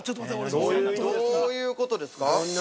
◆どういうことですか？